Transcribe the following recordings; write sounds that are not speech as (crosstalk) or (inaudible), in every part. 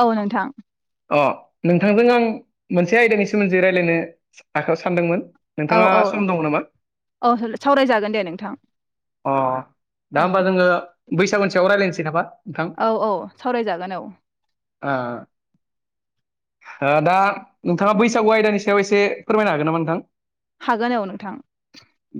औ नोंथां। अ नोंथांजों आं मोनसे आयदानि सोमोन्दै रायज्लायनो आखायाव सानदोंमोन। औ नोंथाङा औ सम दङ नामा औ सावरायजागोन दे नोंथां। अ दा औ होमबा जोङो बैसागुनि सायाव रायज्लायनोसै नामा? नोंथां औ औ सावरायजागोन औ। आ ओ दा नोंथाङा बैसागु आयदानि सायाव एसे फोरमायनो हागोन नामा नोंथां? हागोन औ नोंथां।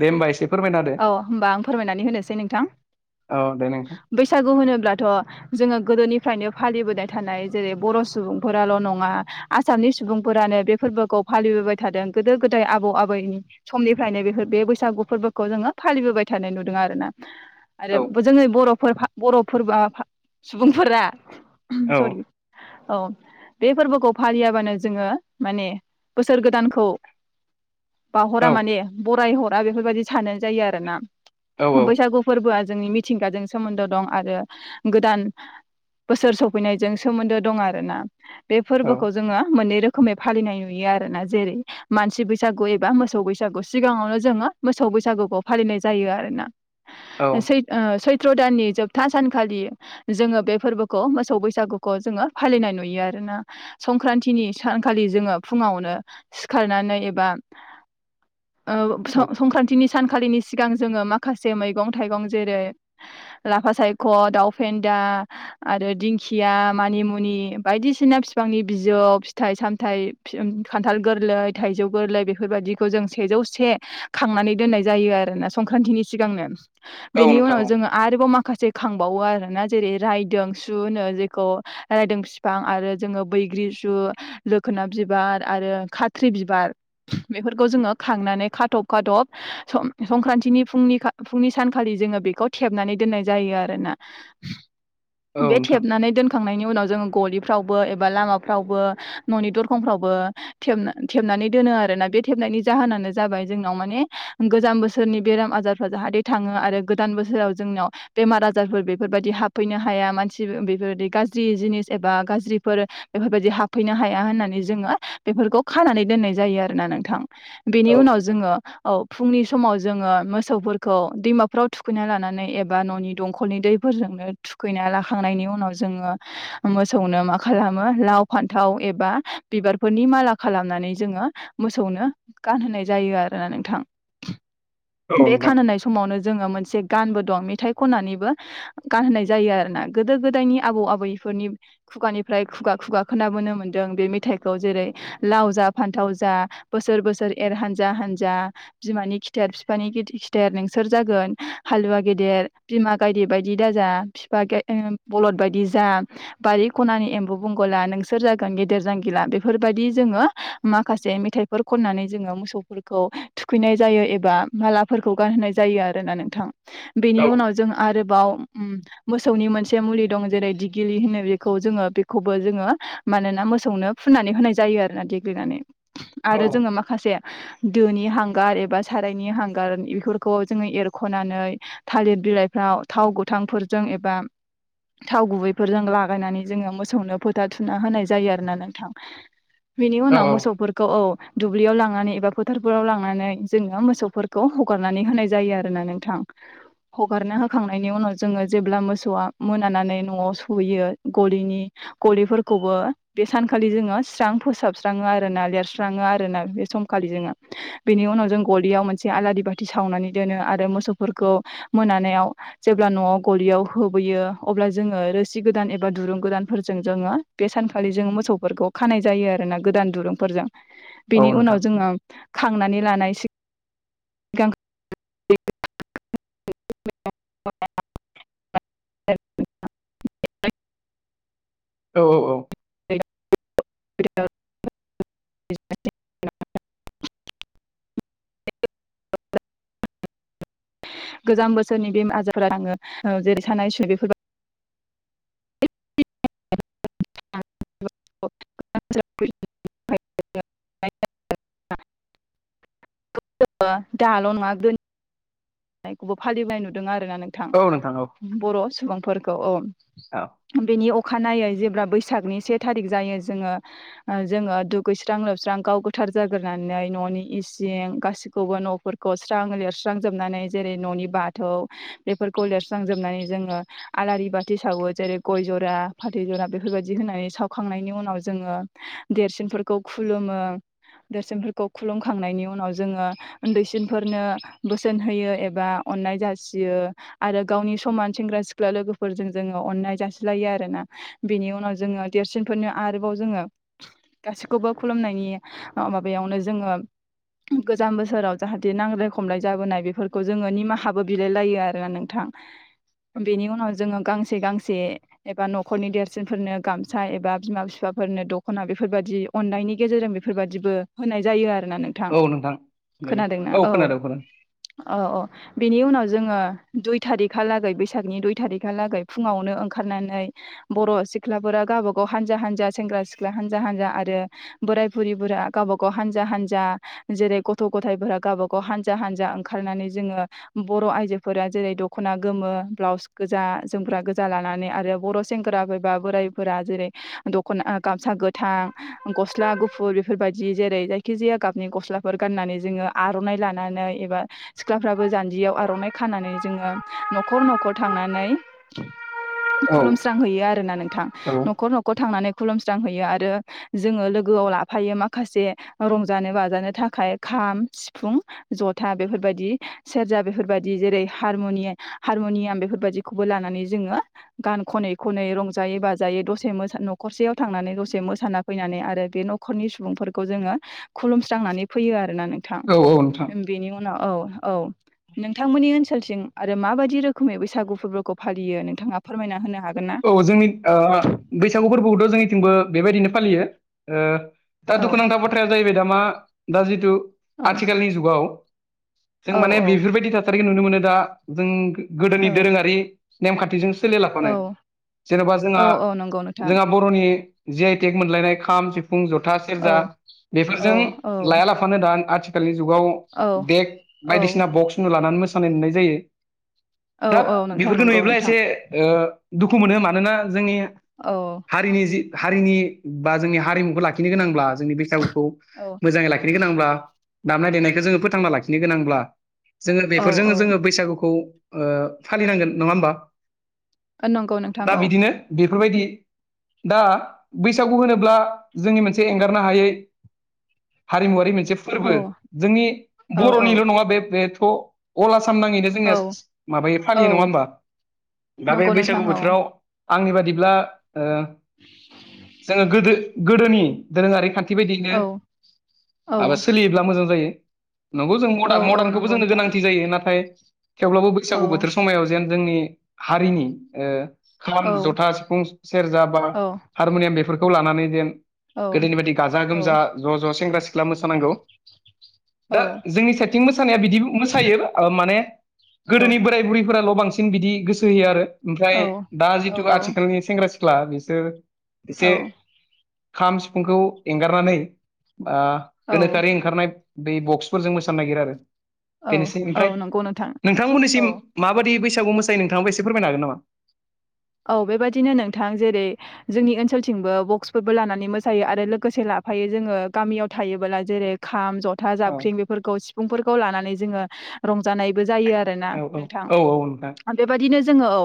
दे होमबा एसे फोरमायना होदो औ होमबा आं फोरमायनानै होनोसै नोंथां। औ दे नोंथां बैसागु होनोब्लाथ' जोङो गोदोनिफ्रायनो फालिबोनाय थानाय जेरै बर' सुबुंफोराल' नङा आसामनि सुबुंफोरानो बे फोरबोखौ फालि बोबाय थादों गोदो गोदाय आबौ आबैनि समनिफ्रायनो बेफोर बे बैसागु फोरबो खौ जोङो फालिबोबाय थानाय नुदों आरोना औ आरो जोंनि बर' फोर फा बर'फोर फा सुबुंफोरा औ सरि औ बे फोरबोखौ फालियाबानो जोङो माने बोसोर गोदानखौ औ बाहरा माने बरायहरा बेफोरबायदि सानो जायो आरोना औ बैसागु फोरबोआ जोंनि मिथिंगाजों सोमोन्दो दं आरो गोदान बोसोर सफैनायजों सोमोन्दो दं आरोना बे औ फोरबोखौ जोङो मोननै रोखोम रोखोमै फालिनाय नुयो आरो ना जेरै मानसि बैसागु एबा मोसौ बैसागु सिगाङावनो जोङो मोसौ बैसागुखौ फालिनाय जायो आरोना औ सै ओ सै त्र दाननि जोबथा सानखालि जोङो बे फोरबोखौ मोसौ बैसागुखौ जोङो फालिनाय नुयो आरो ना संक्रान्तिनि सानखालि जोङो फुङावनो सिखारनानै एबा (inaudible) औ स संख्रान्थिनि सानखालिनि सिगां जोङो माखासे मैगं थाइगं जेरै लाफा सायख' दाउ फेन्दा आरो दिंखिया मानि मुनि बायदिसिना बिफांनि बिजौ फिथ सामथाइ फि खान्थाल गोरलै थाइजौ गोरलै बेफोरबायदिखौ जों सेजौ से खांनानै दोननाय जायो आरोना संक्रान्तिनि सिगांनो औ बेनि नोंथां उनाव औ जोङो आरोबाव मा माखासे खांबावो आर ना जेरै रायदों सु होनो जेखौ रायदों बिफां आरो जोङो बै बैग्रि सु बेफोरखौ जोंङो खांनानै खाथबो खादब संक्रान्तिनि फुंनि फुंनि सानखालि जोङो बेखौ थेबनानै दोननाय जायो आरोना औ बे नोंथां थेबनानै दोनखांनायनि उनाव जों गलिफ्रावबो एबा लामाफ्रावबो न'नि दरखंफ्रावबो थेबनानै दोनो आरोना बे थेबनायनि जाहोनानो जाबाय जोंनाव मान गोजान बोसोरनि बेराम आजारफ्रा जाहाथे थांङो आरो गोदान बोसोराव जोंनाव बेमार आजार (unintelligible) हाफैनो हनानै जोंङो बेानानैनाय ज आरोना नोंथां बेनि औ उनाव जोङो औ फुंनि समाव जोंङो मोसौफोरखौ दैमाफ्राव थुखैना लानानै एबा न'नि दंखलनि दैफोरजोंनो थुखैना लाखांनायनि उनाव जोंङो मोसौनो मा खालामो लाव फान्थाव एबा बिबारफोरनि माला खालामनानै जोंङो मोसौनो गानहोनाय जायो आरोना नोंथां औ बे नोंथां खाननाय समावनो जोंङो मोनसे गानबो दं मेथाइ खननानैबो गानहाय जायो आरोना गोदो गोदायनि आबौ आबैफोरनि खुगानिफ्राय खुगा खुगा खोनाबोनो मोन्दों बे मेथाइखौ जेरै लाव जा फान्थाव जा बोसोर बोसोर एर हान जजा हानजा बिमानि खिथेर बिफ खिथेर नोंसोर जागोन हालुवा गेदेर बिमा गायदेर बायदि दाजा बिफा बलद बायदि जा बारि खनानि एम्बु बंगला जाग गेदेर जागोन बेफोरबायदि जोङो माखासे मेथाइ फोरखननानै मोसौ फोरखौ थुखैनाय जायो एबा मालाफोरखौ गानहोनाय जायो आरो ना नोंथां बेनि औ उनाव जों आरोबाव मोसौनि मोनसे मुलि दं जेरै दिगिलि होनो बेखौ जोङो बेखौबो जोंङो मानोना मोसौनो फुननानै होनाय जायो आरोना देग्लिनानै आरो जोंङो माखासे दोनि हांगार एबा सारायनि हांगार बेफोरखौ जोंङो एरख'नानै थालिर बिलाइफ्राव थाव गोथांफोरजों एबा थाव गुबैफोरजों लागायनानै जोङो मोसौनो फोथार थुना होनाय जायो आरोना नोंथां बिनि औ उनाव मोसौफोरखौ औ दुब्लियाव लांनानै एबा फोथारफोराव लांनानै जोङो मोसौफोरखौ हगारनानै होनाय जायो आरोना नोंथां हगारना होखांनायनि उनाव जोंङो जेब्ला मोसौआ मोनानानै न'आव सहैयो गलिनि गलिफोरखौबो बे सानखालि जोंङो स्रां फोसाबस्राङो आरो ना लिरस्राङो आरो ना बे समाव बे खालि जोंङो (inaudible) बेनि उनाव जों गलियाव मोनसे आलारि बाथि सावनानै दोनो आरो मोसौफोरखौ मोनानायाव जेब्ला नआव गयाव होबोयो अब्ला जोंङो रोसि गोदान एबा दुरुं गोदान जो बे सखा मोसौफोरखौ खानाय जायो आरोोना गोदान दुरुंफोरजों बेनि औ उनाव नोंथां औ जोङो थांनानै लानाय सिगां (unintelligible) औ औ (unintelligible) गोजाम बोसोरनि बे आजारफोरा आङो जेरै सानाय सुनाय बेफोरबाय (unintelligible) (unintelligible) दाल नङा गोदो खौबो फालिबाय नुदों आरोना नोंथां औ औ बर' सुबुंफोरखौ औ औ बेनि अखानायै जेब्ला बैसागनि से थारिख जायो जोङो जोङो दुगैस्रां लोबस्रां गाव गोथाव जाग्रोनै ननि इसिं गाैखौबो न'फोरखौ स्रां लिरस्रां जोबनानै जेरै न'नि बाथौ बेफोरखौ लिरस्रांजोबनानै जोंङो आलारि बाथि सावो जेरै गय जरा फाथै जरा बेफोरबायदि होनानै सावखांनायनि उनाव जोङो देरसिनफोरखौ खुलुमो देरसिनफोरखौ खुलुमखांनायनि उनाव जोङो उन्दैसिनफोरनो बोसोन होयो ए बा अननाय जासियो आरो गावनि समान सेंग्रा सिख्ला लोगोफोरजों जोङो अननाय जासिलायो आरोना बेनि उनाव जोङो देरसिनफोरनो आरोबाव जोङो गासैखौबो खुलुमनायनि माबायावनो जोङो गोजाम बोसोराव जाहाथे नांलाय खमलाय जाबोनाय बेफोर खौ जोङो निमाहाबो बिलाय लायो आरो नोंथां बेनि उनाव जोङो गांसे गांसे एबा न'खरनि देरसिनफोरनो गामसा एबा बिमा बिफा फोरनो दख'ना बेफोरबायदि अननायनि गेजेरजों बेफोरबायदिबो होनाय जायो आरो ना नोंथां खोनादोंना औ खोनादों खोनादों औ औ बेनि उनाव जोङो दुइ थारिखहालागै बैसागनि दुइ थारिखाहालागै फुङावनो ओंखारना नानै बर' सिख्लाफोरा गावब गाव हानजा हानजा सेंग्रा सिख्ला हानजा हानजा आरो बोराइ बु रिफोरा गावबा गाव हानजा हानजा जेरै गथ' गथाइफोरा गावबा गाव हानजा हानजा ओं खारनानै जोङो बर' आइजोफोरा जेरै दख'ना गोमो, ब्लाउस गोजा, जोमग्रा गोजा ला नानै आरो बर' सेंग्रा एबा बोराइफोरा जेरै दख'ना ओ गामसा गोथां गस्ला गुफुर बेफोरबायदि जेरै जायखि जाया गाबनि गस्लाफोर गाननानै जोङो आर'नाइ लानानै एबा सिख्लाफ्राबो जान्जियाव आर'नाइ खानानै जोङो न'खर न'खर थांनानै औ खुलुमस्रां हैयो आरो ना नोंथां औ न'खर न'खर थांनानै खुलुमस्रांहैयो आरो जोङो लोगोआव लाफायो माखासे रंजानो बाजानो थाखाय खा खाम, सिफुं, जथा बेफोरबायदि सेरजा बेफोरबायदि जेरै हारमुनि हारमुनियाम बेफोरबादिखौबो लानानै जोङो गान खनै खनै रंजायै बाजायै दसे मोसा न'खरसेयाव थांनानै दसे मोसाना फैनानै आरो बे न'खरनि सुबुंफोरखौ जोङो खुलुमस्रांनानै फैयो आरो ना नोंथां औ नोंथां बेनि उनाव औ औ नोंथांमोननि ओनसोलथिं आरो माबायदि रोखोमै बैसागु फोरबोखौ फालियो नोंथाङा फोरमायना होनो हा औ जोंनि ओ बैसागु फोरबोखौथ' जोंनिथिंबो बेबायदिनो फालियो ओ दा औ दुखुनांथाव बाथ्राया जाहैबाय दा मा दा जिथु औ आथिखालनि जुगाव जों औ माने औ बेफोरबायदि थासारिखौ नुनो मोनो दा जों गोदोनि औ दोरोङारि नेमखान्थिजों सोलियालाफानो औ जेन'बा औ जोंहा औ नंगौ नोंथां जोंहा बर'नि जि आइ टेक मोनलायनाय खाम, सिफुं, जथा, औ सेरजा औ बेफोरजों औ लाया लाफानो दा आथिखालनि जुगाव औ देक औ बायदिसिना बक्स उनु लानानै मोसानाय नुनाय जायो औ दा औ नोंथां बेफोरखौ नंगौ नुयोब्ला नोंथां एसे ओ दुखु मोनो मानोना जोंनि औ हारिनि जि हारिनि बा जोंनि हारिमुखौ लाखिनो गोनांब्ला जोंनि बैसागुखौ औ मोजाङै लाखिनो गोनांब्ला दामनाय देनायखौ जोङो फोथांना लाखिनो गोनांब्ला जोङो औ बेफोरजों औ जोङो बैसागुखौ ओ फालिनांगोन नङा होमबा । नंगौ नोंथां औ । बेफोरबायदि दा बैसागु होनोब्ला जोंनि मोनसे एंगारनो हायै हारिमुवारि मोनसे औ फोरबो जोंनि औ बर'निल' नङा बे बेथ' अल आ आसाम नाङैनो जोंनिया औ माबायो फालियो औ नङा होमबा दा बे नंगौ बैसागु नोंथां औ बोथोराव आंनि बादिब्ला ओ जोङो गोदो गोदोनि दोरोङारि खान्थि बायदियैनो औ औ माबा सोलियोब्ला मोजां जायो नंगौ जों औ मदार्न औ मदार्नखौबो नंगौ जोंनो नोंथां गोनांथि जायो नाथाय थेवब्लाबो औ बैसागु बोथोर समायाव जेन जोंनि हारिनि ओ खाम औ जथा सिफुं सेरजा बा औ हारमुनियाम बेफोरखौ लानानै जेन गोदोनि बायदि गाजा औ गोमजा ज' ज' सेंग्रा सिख्ला मोसानांगौ दा औ जोंनि सायथिं मोसानाया बिदि मोसायो माने औ गोदोनि बोराय बुरैफोराल' बांसिन बिदि गोसो होयो आरो ओमफ्राय औ दा औ जिथु आथिखालनि सेंग्रा सिख्ला बिसोर एसे औ खाम सिफुंखौ एंगारनानै आ औ गोनोखोआरि ओंखारनाय बे बक्सफोरजों मोसानो नागिरो आरो औ बेनोसै औ ओमफ्राय नंगौ नोंथां नोंथांमोननिसिम औ माबायदि बैसागु बैसागुआव मोसायो नोंथांआबो एसे फोरमाय हागोन नामा? औ बेबादिनो नोंथां जेरै जोंनि ओनसोलथिंबो बक्सफोरबो लानानै मोसायो आरो लोगोसे लाफायो जोङो गामियाव थायोबोला जेरै खाम, ज था, औ जाबख्रिं बेफोरखौ सिफुंफोरखौ लानानै जोङो रंजानायबो जायो आरोना औ औ नोंथां। औ औ नोंथां बेबादिनो जोङो औ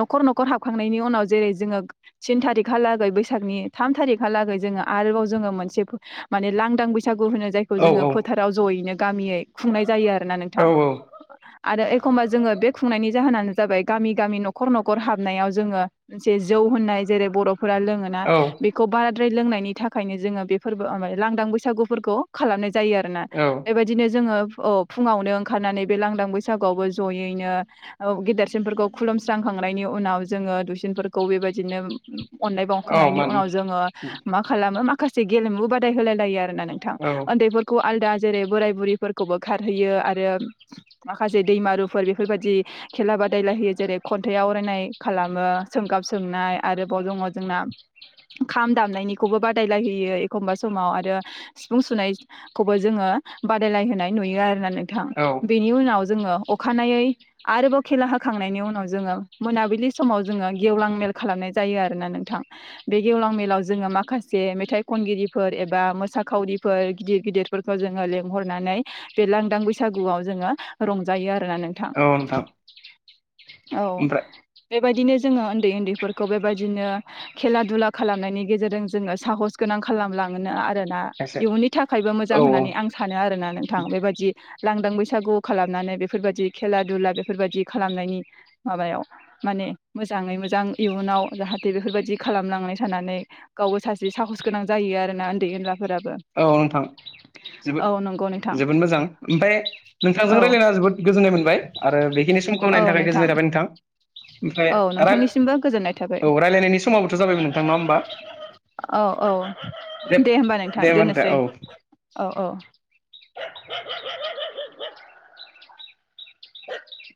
न'खर न' खर हाबखांनायनि उनाव जेरै जोङो थिन थारिखहालागै बैसागनि थाम थारिखहालागै जोङो आरोबाव जों जोङो मोनसे फो माने लांदां बैसा बैसागु होनो जायखौ औ जोङो फोथाराव जयैनो गामियै खुंनाय जायो आरो ना औ नोंथां। आरो एखम्बा जोङो बे खुंनायनि जाहोनानो जाबाय गामि गामि न'खर न'खर हाब नायाव जोङो जे जौ होननाय जेरै बर'फोरा लोङोना औ बेखौ बारा द्राय लोंनायनि थाखायनो जोङो बे फोरबो लांदां बैसागुफोरखौ खालामनाय जा जायो आरोना औ बेबादिनो जोङो औ फुङावनो ओंखारनानै बे लांदां बैसागुआवबो जयैनो औ गेदेरसिनफोरखौ खुलुमस्रांखांनायनि उनाव जोङो दुइसिनफोरखौ बेबादिनो अननाय औ बावखांनायनि मान उनाव जोङो मा खालामो, माखासे गेलेमु बादाय होलाय लायो आ रोना नोंथां। औ ओन्दैफोरखौ आलदा जेरै बोराय बुरिफोरखौबो खारहोयो आरो माखासे दैमारुफोर बेफोरबादि खेला बादायलायहोयो जेरै खन्थाइ आवरायनाय खालामो, सोंगाब सोंनाय । आरोबाव दङ जोंना खाम दामनायनिखौबो बादायलाय हो यो एखमबा समाव आरो सिफुं सुनायखौबो जोङो बादायलाय होनाय नुयो आरोना नोंथां। औ बेनि उनाव जोङो अखानायै आरोबाव खेला होखांनायनि उनाव जोङो मोनाबि लि समाव जोङो गेवलां मेल खालामनाय जायो आरोना नोंथां। बे गेवलां मेलाव जोङो माखासे मेथाइ खनगिरिफोर एबा मोसा खावरिफोर गिदिर गिदिरफोरखौ जोङो लेंहरनानै बे लांदां बैसा सागुआव जोङो रंजायो आ औ नोंथां। औ। ओमफ्राय बेबायदिनो जोङो ओन्दै ओन्दैफोरखौ बेबायदिनो खेला दुला खालामनायनि गेजेरजों जोङो साहस गोनां नां खालामलाङो आरोना। एसे इयुननि थाखायबो औ मोजां होननानै आं सानो आरोना नोंथां। बेबादि लांदां बैसागु खालामनानै बेफोरबादि खेला दुला बेफोरबादि खालामनायनि माबायाव माने मोजाङै मोजां इयुनाव जाहाथे बेफोरबादि खालामलांनाय थानानै गावबो सासे साहस गोनां जायो आरोना ओन्दै ओनला औ नोंथां। जोबोद औ नंग' जोबोद मोजां ओमफाय नोंथांजों औ रायलायना जोबोद गोजोननाय मोनबाय आरो बेखिनि समखौ होनायनो थाखाय गोजोननाय थाबाय नोंथां। औ ओमफ्राय नोंथांनिसिमबो गोजोननाय थाबाय (unintelligible) औ रायलायनायनि समाबोथ' जाबायमोन नोंथां, नङा होमबा? औ औ दे होमबा नों दे होमबा नोंथां औ। औ औ। (inaudible)